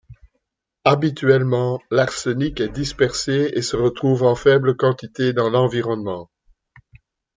Habituellement, l’arsenic est dispersé et se retrouve en faible quantité dans l’environnement.